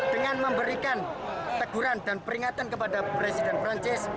dengan memberikan teguran dan peringatan kepada presiden perancis